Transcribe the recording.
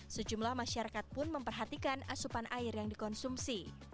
sejumlah masyarakat pun memperhatikan asupan air yang dikonsumsi